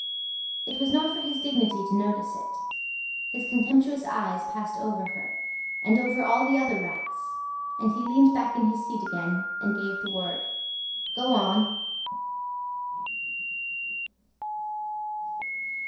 It was not for his dignity to notice it; his contemptuous eyes passed over her, and over all the other rats; and he leaned back in his seat again, and gave the word "Go on!"